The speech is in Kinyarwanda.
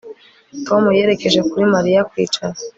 Tom yerekeje kuri Mariya kwicara